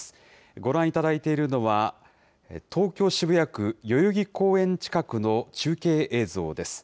ご覧いただいているのは、東京・渋谷区代々木公園近くの中継映像です。